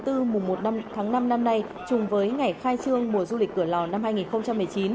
mùng một tháng năm năm nay chung với ngày khai trương mùa du lịch cửa lò năm hai nghìn một mươi chín